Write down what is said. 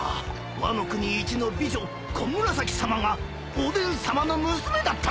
ワノ国いちの美女小紫さまがおでんさまの娘だったってんだ！